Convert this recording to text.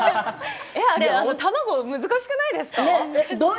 卵、難しくないですか？